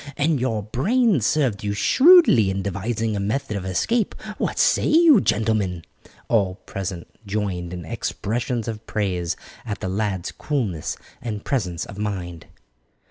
And your brains served you shrewdly in devising a method of escape. What say you, gentlemen?" All present joined in expressions of praise at the lad's coolness and presence of mind.